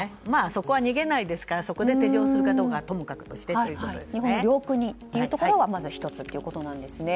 そこは逃げないですからそこで手錠をするかどうかは日本領空にということがまず１つということですね。